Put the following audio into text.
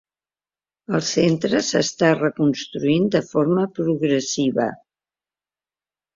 El centre s"està reconstruint de forma progressiva.